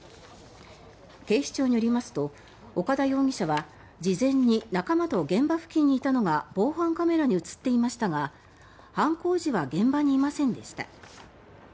警視庁によりますと岡田容疑者は事前に仲間と現場付近にいたのが防犯カメラに映っていましたが犯行時は現場にいませんでした。